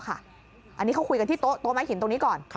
อันนี้เขาคุยกันที่โต๊ะไม้หินตรงนี้ก่อน